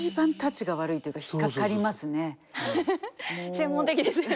専門的ですね。